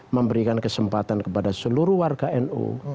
memberikan kesempatan kepada seluruh warga nu